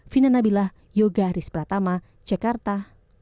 vina nabilah yoga riz pratama jakarta